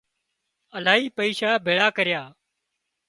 الاهي پئيشا ڀيۯا ڪريا